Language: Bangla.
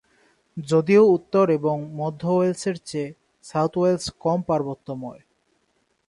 যদিও উত্তর এবং মধ্য ওয়েলস এর চেয়ে সাউথ ওয়েলস কম পার্বত্যময়।